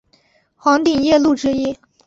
黄顶夜鹭之一。